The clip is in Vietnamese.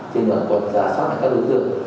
trên đoàn quận giả soát lại các đối tượng